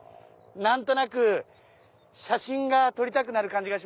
何となく写真撮りたくなる感じ。